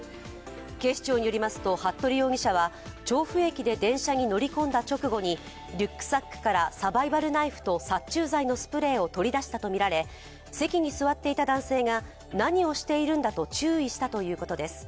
警視庁によりますと服部容疑者は調布駅で電車に乗り込んだ直後にリュックサックからサバイバルナイフと殺虫剤のスプレーを取り出したとみられ席に座っていた男性が何をしているんだと注意したということです。